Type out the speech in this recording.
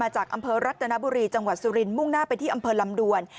จากอำเภอรัตนบุรีจังหวัดสุรินมุ่งหน้าไปที่อำเภอลำดวน